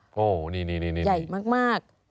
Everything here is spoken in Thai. โอ้โหนี่ใหญ่มาก